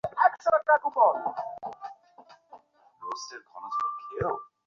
তবে রাজনৈতিক অস্থিরতার কারণে ঠিক সময়ে পাসপোর্ট পাওয়া নিয়ে অনিশ্চয়তায়ও ভুগছেন তাঁরা।